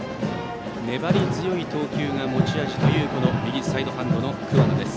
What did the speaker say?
粘り強い投球が持ち味という右サイドハンドの桑名です。